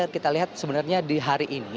kita lihat sebenarnya di hari ini